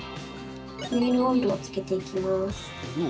ネイルオイルをつけていきます。